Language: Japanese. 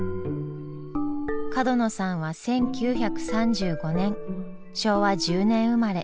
角野さんは１９３５年昭和１０年生まれ。